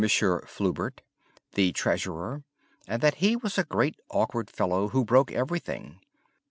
Fieubert, the treasurer, and that he was a great awkward fellow who broke everything.